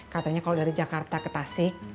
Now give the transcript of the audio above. katanya kalau dari jakarta ke tasik